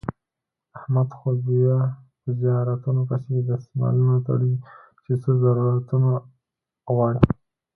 احمد خو بیا په زیارتونو پسې دسمالونه تړي چې څه ضرورتو نه غواړي.